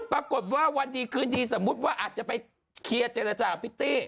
ปรากฏว่าวันดีคืนดีสมมุติว่าอาจจะไปเคลียร์เจรจาพิตตี้